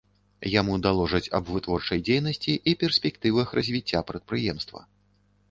Яму даложаць аб вытворчай дзейнасці і перспектывах развіцця прадпрыемства.